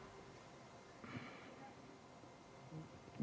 data itu didapatkan